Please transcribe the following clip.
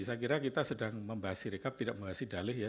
saya kira kita sedang membahas sirikap tidak membahas dalih ya